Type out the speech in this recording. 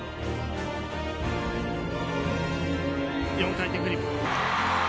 ４回転フリップ。